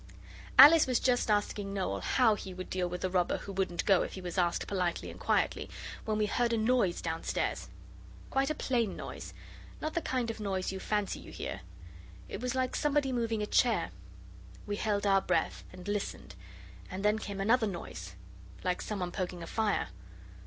Alice was just asking Noel how he would deal with the robber who wouldn't go if he was asked politely and quietly, when we heard a noise downstairs quite a plain noise, not the kind of noise you fancy you hear. It was like somebody moving a chair. We held our breath and listened and then came another noise, like some one poking a fire.